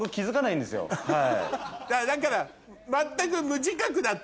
だから全く。